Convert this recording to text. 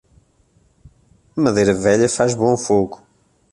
A madeira velha faz bom fogo.